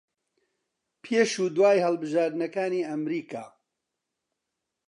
پێش و دوای هەڵبژاردنەکانی ئەمریکا